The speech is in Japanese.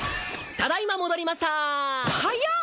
ただいま戻りました早っ！